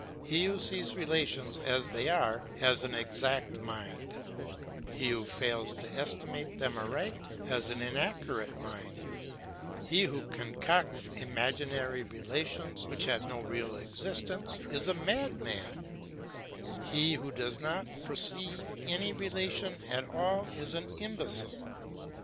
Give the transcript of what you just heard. He who sees relations as they are has an exact mind; he who fails to estimate them aright has an inaccurate mind; he who concocts imaginary relations, which have no real existence, is a madman; he who does not perceive any relation at all is an imbecile.